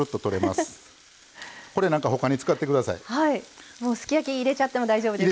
すき焼き入れちゃっても大丈夫ですか？